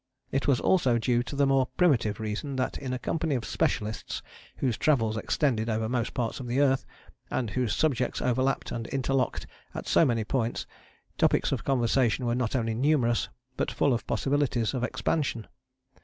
It was also due to the more primitive reason that in a company of specialists, whose travels extended over most parts of the earth, and whose subjects overlapped and interlocked at so many points, topics of conversation were not only numerous but full of possibilities of expansion.